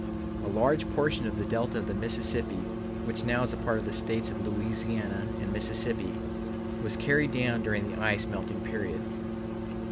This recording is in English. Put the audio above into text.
A large portion of the delta of the Mississippi which now is a part of the States of Louisiana and Mississippi was carried down during the ice melting period.